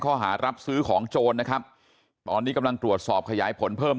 ข้อหารับซื้อของโจรนะครับตอนนี้กำลังตรวจสอบขยายผลเพิ่ม